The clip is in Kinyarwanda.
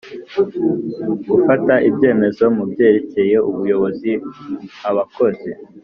gufata ibyemezo mu byerekeye ubuyobozi abakozi